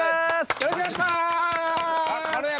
よろしくお願いします！